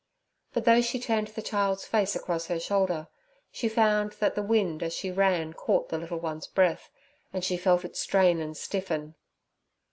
But, though she turned the child's face across her shoulder, she found that the wind as she ran, caught the little one's breath, and she felt it strain and stiffen.